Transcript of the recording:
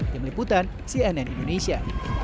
tim liputan cnn indonesia